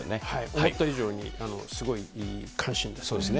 思った以上に、すごい関心でそうですね。